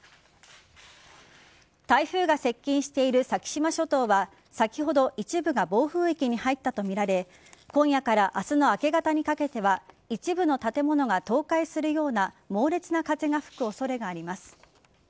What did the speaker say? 台風が接近している先島諸島は先ほど一部が暴風域に入ったとみられ今夜から明日の明け方にかけては一部の建物が倒壊するような猛烈な風が吹く恐れがあります。